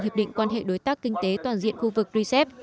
hiệp định quan hệ đối tác kinh tế toàn diện khu vực rcep